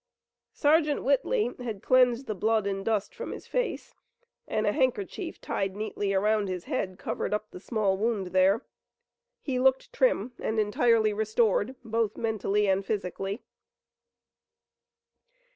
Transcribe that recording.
Sergeant Whitley had cleansed the blood and dust from his face, and a handkerchief tied neatly around his head covered up the small wound there. He looked trim and entirely restored, both mentally and physically.